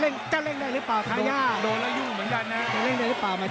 เดินแล้วยุ่งหนึ่งอย่างน่ะ